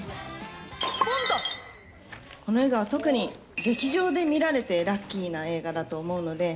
この映画は特に、劇場で見られてラッキーな映画だと思うので。